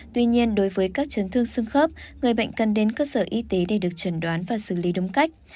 tuy nhiên đối với các chấn thương xương khớp người bệnh cần đến cơ sở y tế để được trần đoán và xử lý đúng cách